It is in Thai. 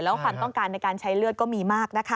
แล้วความต้องการในการใช้เลือดก็มีมากนะคะ